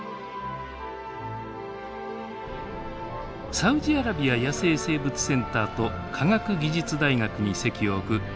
サウジアラビア野生生物センターと科学技術大学に籍を置く世界各地の研究者